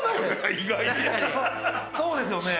そうですよね。